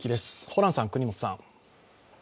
ホランさん、國本さん。